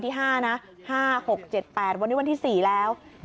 ป้าของน้องธันวาผู้ชมข่าวอ่อน